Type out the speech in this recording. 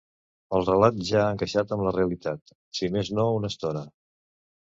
El relat ja ha encaixat amb la realitat, si més no una estona.